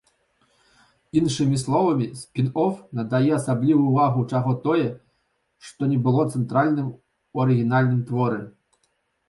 Іншымі словамі, спін-оф надае асаблівую ўвагу чаго-тое, што не было цэнтральным у арыгінальным творы.